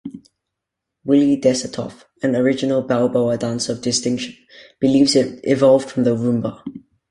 Willie Desatof, an original Balboa dancer of distinction, believes it evolved from the Rhumba.